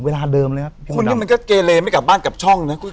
เวลาเดิมเลยครับคนนี้มันก็เกเลไม่กลับบ้านกลับช่องนะ